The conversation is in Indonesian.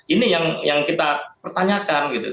ini yang kita pertanyakan gitu